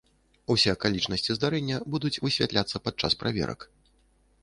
Усё акалічнасці здарэння будуць высвятляцца падчас праверак.